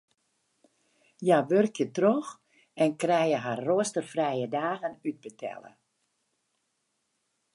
Hja wurkje troch en krije harren roasterfrije dagen útbetelle.